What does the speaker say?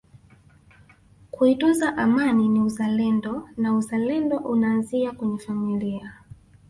kuitunza Amani ni uzalendo na uzalendo unaanzia kwenye familia